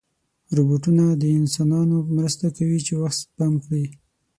روبوټونه د انسانانو مرسته کوي چې وخت سپم کړي.